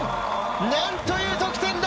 なんという得点だ！